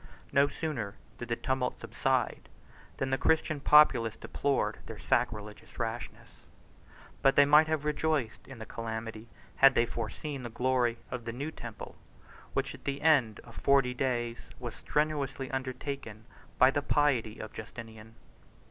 No sooner did the tumult subside, than the Christian populace deplored their sacrilegious rashness; but they might have rejoiced in the calamity, had they foreseen the glory of the new temple, which at the end of forty days was strenuously undertaken by the piety of Justinian.